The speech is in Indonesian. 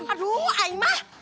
aduh aing mah